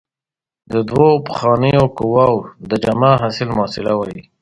د دوو پخوانیو قوو د جمع حاصل محصله وايي.